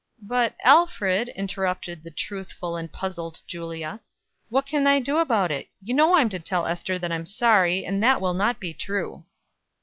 "But, Alfred," interrupted the truthful and puzzled Julia, "what can I do about it? You know I'm to tell Ester that I'm sorry; and that will not be true."